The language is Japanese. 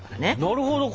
なるほど。